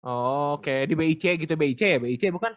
oh oke di bic gitu bic ya bic bukan